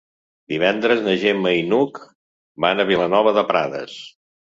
Divendres na Gemma i n'Hug van a Vilanova de Prades.